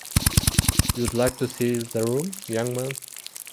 You'd like to see the room, young man?